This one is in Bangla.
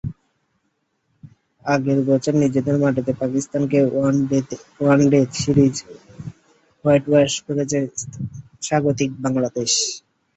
আগের বছর নিজেদের মাটিতে পাকিস্তানকে ওয়ানডে সিরিজ হোয়াইটওয়াশ করেছে স্বাগতিক বাংলাদেশ।